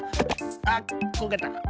あっこけた。